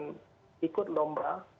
dengan ikut lomba